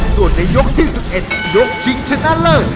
ส่วนในยกที่๑๑ยกชิงชนะเลิศ